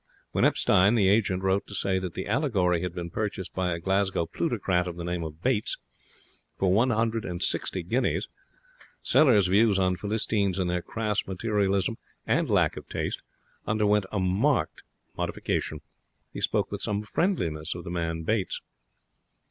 When Epstein, the agent, wrote to say that the allegory had been purchased by a Glasgow plutocrat of the name of Bates for one hundred and sixty guineas, Sellers' views on Philistines and their crass materialism and lack of taste underwent a marked modification. He spoke with some friendliness of the man Bates.